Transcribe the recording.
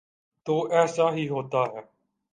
تو ایسا ہی ہوتا ہے۔